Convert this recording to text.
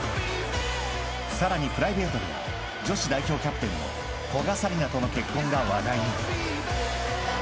［さらにプライベートでも女子代表キャプテンの古賀紗理那との結婚が話題に］